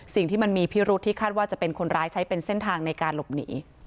สิ่งที่มันมีพิรุษที่คาดว่าจะเป็นคนร้ายใช้เป็นเส้นทางในการหลบหนี